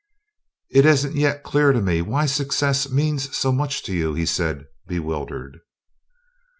"It isn't yet clear to me why success means so much to you," he said, bewildered.